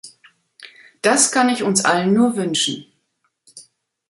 Das kann ich uns allen nur wünschen.